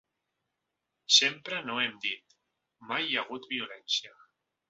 Sempre no hem dit: mai hi ha hagut violència.